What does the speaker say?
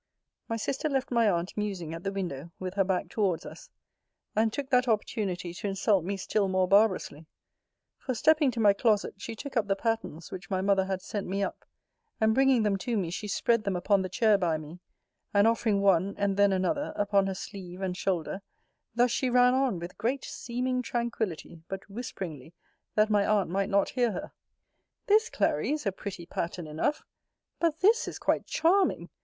My sister left my aunt musing at the window, with her back towards us, and took that opportunity to insult me still more barbarously; for, stepping to my closet, she took up the patterns which my mother had sent me up, and bringing them to me, she spread them upon the chair by me; and offering one, and then another, upon her sleeve and shoulder, thus she ran on, with great seeming tranquility, but whisperingly, that my aunt might not hear her. This, Clary, is a pretty pattern enough: but this is quite charming!